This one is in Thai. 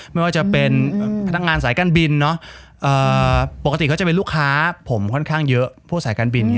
ไม่ว่าจะเป็นพนักงานสายการบินปกติเขาจะเป็นลูกค้าผมค่อนข้างเยอะพวกสายการบิน